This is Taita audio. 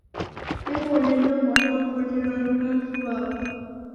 Nimoni nio mwana ukundilo ni w'avi w'apo.